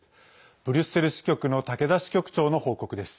ブリュッセル支局の竹田支局長の報告です。